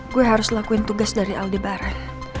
gue harus lakuin tugas dari aldebaran